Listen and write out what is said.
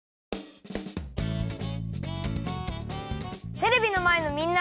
テレビのまえのみんな！